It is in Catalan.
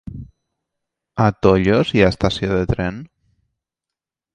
A Tollos hi ha estació de tren?